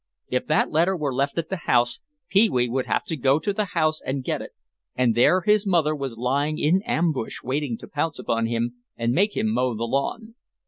If that letter were left at the house, Pee wee would have to go to the house and get it, and there his mother was lying in ambush waiting to pounce upon him and make him mow the lawn.